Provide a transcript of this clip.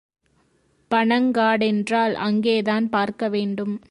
பனங்காடென்றால் அங்கேதான் பார்க்க வேண்டும்.